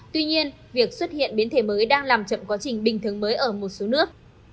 tuy nhiên việc xuất hiện biến thể mới đang làm chậm quá trình bình thường mới ở một số nước